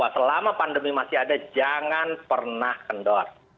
selama pandemi masih ada jangan pernah kendor